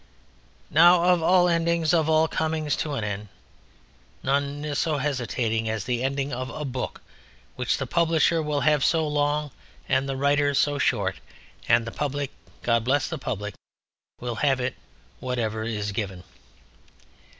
Now of all endings, of all Comings to an End none is so hesitating as the ending of a book which the Publisher will have so long and the writer so short: and the Public (God Bless the Public) will have whatever it is given.